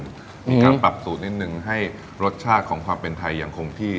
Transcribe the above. มีการปรับสูตรนิดนึงให้รสชาติของความเป็นไทยยังคงที่